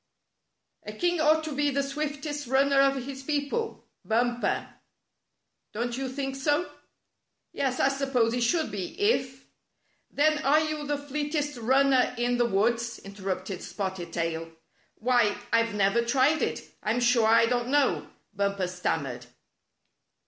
A king ought to be the swiftest runner of his people, Bumper. Don't you think so ?" "Yes, I suppose he should be, if —"" Then are you the fleetest runner in the woods?" interrupted Spotted Tail. "Why, I've never tried it. I'm sure I don't know," Bumper stammered.